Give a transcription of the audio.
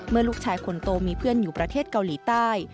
ลูกชายคนโตมีเพื่อนอยู่ประเทศเกาหลีใต้